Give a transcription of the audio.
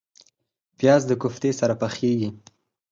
پیاز د کوفتې سره پخیږي